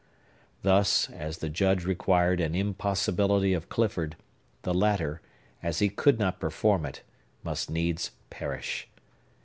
Thus, as the Judge required an impossibility of Clifford, the latter, as he could not perform it, must needs perish.